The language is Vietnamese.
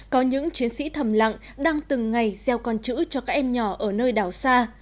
có những chiến sĩ thầm lặng đang từng ngày gieo con chữ cho các em nhỏ ở nơi đảo xa